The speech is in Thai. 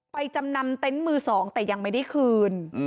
ไปจำนำเต้นมือ๒แต่ยังไม่ได้คืน